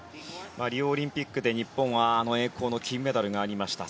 リオオリンピックで日本は栄光の金メダルがありました。